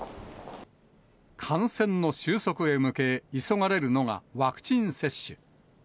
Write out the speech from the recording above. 感染の収束へ向け、急がれるのがワクチン接種。